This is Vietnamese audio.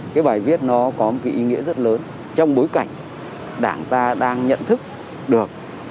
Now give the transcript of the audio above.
cái bài viết nó có một cái ý nghĩa rất lớn trong bối cảnh đảng ta đang nhận thức được